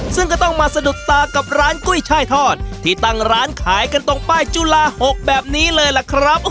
ซึ่งก็ต้องมาสะดุดตากับร้านกุ้ยช่ายทอดที่ตั้งร้านขายกันตรงป้ายจุฬา๖แบบนี้เลยล่ะครับ